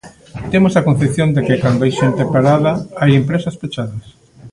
Temos a concepción de que cando hai xente parada hai empresas pechadas.